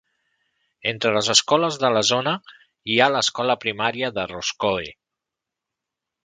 Entre les escoles de la zona hi ha l'escola primaria de Roscoe.